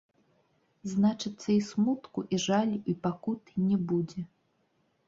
Значыцца, і смутку, і жалю, і пакуты не будзе.